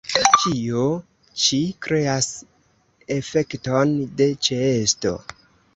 Ĉio ĉi kreas efekton de ĉeesto.